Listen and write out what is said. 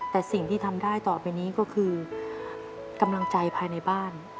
แต่สิ่งที่ทำได้ต่อไปนี้ก็คือกำลังใจภายในบ้าน